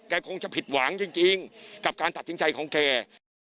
คงจะผิดหวังจริงกับการตัดสินใจของแก